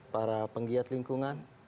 para penggiat lingkungan